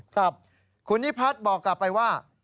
ครับคุณนิพัฒน์บอกกลับไปว่า